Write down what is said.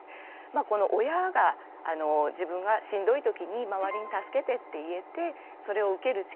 親が自分がしんどいときに周りに助けてって言えてそれを受ける力